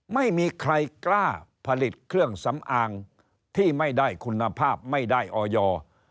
ไม่มีใครกล้าผลิตเครื่องสำอางที่ไม่ได้คุณภาพไม่ได้ออยอร์